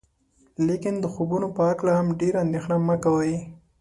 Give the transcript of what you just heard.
لیکن د خوبونو په هکله هم ډیره اندیښنه مه کوئ.